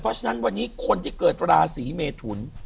เพราะฉะนั้นวันนี้คนที่เกิดราศีเมทุน